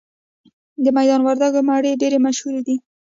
د میدان وردګو مڼې ډیرې مشهورې دي